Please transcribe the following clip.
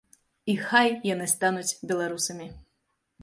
І хай яны стануць беларусамі!